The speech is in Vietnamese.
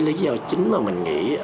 lý do chính mà mình nghĩ